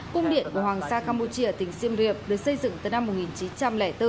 cung điện hoàng gia campuchia tỉnh siem reap được xây dựng từ năm một nghìn chín trăm linh bốn